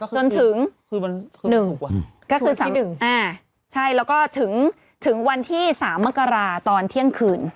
จึงวันที่๑ใช่แล้วก็ถึงวันที่สามเมกราตอนเที่ยงคืน